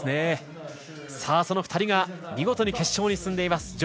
その２人が見事に決勝に進んでいます。